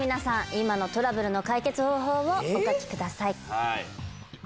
今のトラブルの解決方法をお書きください。